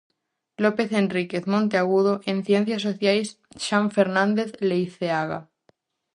López Henrique Monteagudo; en ciencias sociais, Xan Fernández Leiceaga.